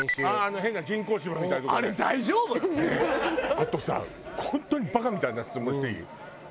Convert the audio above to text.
あとさ本当にバカみたいな質問していい？